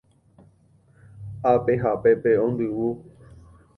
Ápe ha pépe ondyvu